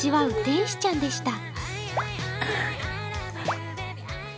天使ちゃんでした。